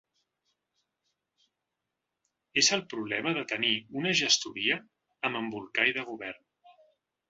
És el problema de tenir una gestoria amb embolcall de govern.